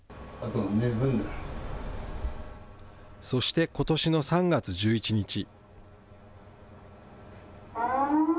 そしてことしの３月１１日。